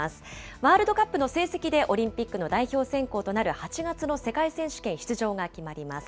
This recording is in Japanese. ワールドカップの成績で、オリンピックの代表選考となる８月の世界選手権出場が決まります。